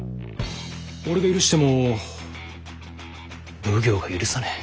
俺が許しても奉行が許さねえ。